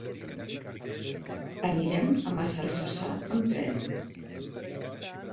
Anirem a Massalfassar amb tren.